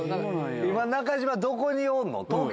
今、中島、どこにおるの？